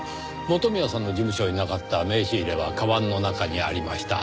元宮さんの事務所になかった名刺入れは鞄の中にありました。